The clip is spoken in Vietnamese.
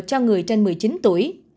cho người trên một mươi chín tuổi